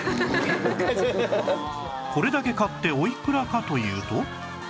これだけ買っておいくらかというと